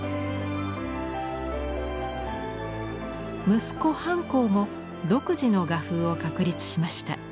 息子半江も独自の画風を確立しました。